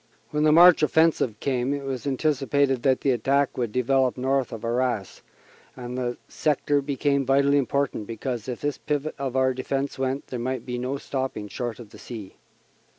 When the March offensive THE CANADIAN CORPS READY FOR BATTLE 7 came, it was anticipated that the attack would develop north of Arras, and the sector became vitally important because if this pivot of our defense went, there might be no stopping short of the sea.